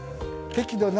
適度な。